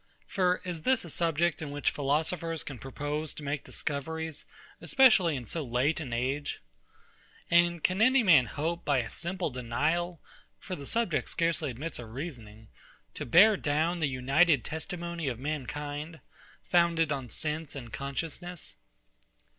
For is this a subject in which philosophers can propose to make discoveries especially in so late an age? And can any man hope by a simple denial (for the subject scarcely admits of reasoning), to bear down the united testimony of mankind, founded on sense and consciousness?